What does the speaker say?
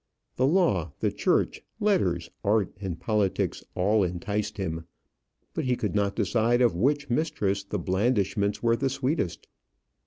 The law, the church, letters, art, and politics all enticed him; but he could not decide of which mistress the blandishments were the sweetest.